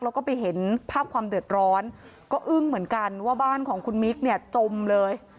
แล้วก็ไปเห็นภาพความเดือดร้อนก็อึ้งเหมือนกันว่าบ้านของคุณมิ๊กเนี่ยจมเลย